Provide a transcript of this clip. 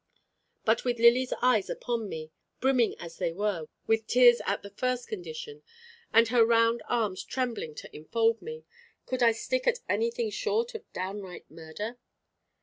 But with Lily's eyes upon me, brimming as they were with tears at the first condition, and her round arms trembling to enfold me, could I stick at anything short of downright murder?